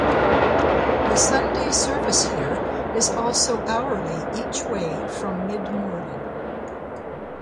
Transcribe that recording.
The Sunday service here is also hourly each way from mid-morning.